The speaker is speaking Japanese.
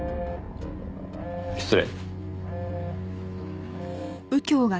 失礼。